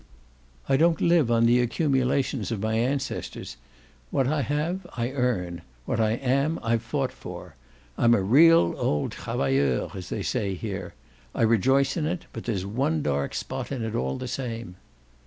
"I don't live on the accumulations of my ancestors. What I have I earn what I am I've fought for: I'm a real old travailleur, as they say here. I rejoice in it, but there's one dark spot in it all the same."